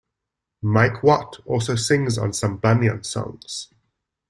Mike Watt also sings on some Banyan songs.